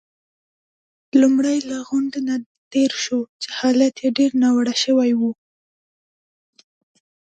لومړی له غونډ نه تېر شوو، چې حالت يې ډېر ناوړه شوی وو.